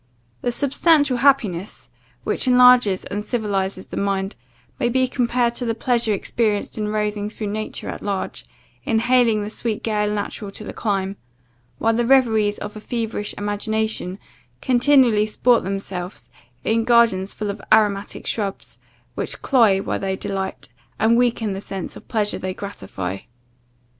The substantial happiness, which enlarges and civilizes the mind, may be compared to the pleasure experienced in roving through nature at large, inhaling the sweet gale natural to the clime; while the reveries of a feverish imagination continually sport themselves in gardens full of aromatic shrubs, which cloy while they delight, and weaken the sense of pleasure they gratify.